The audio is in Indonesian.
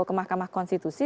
bawa ke mahkamah konstitusi